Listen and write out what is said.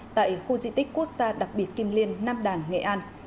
tại khu di tích quốc gia đặc biệt kim liên nam đàn nghệ an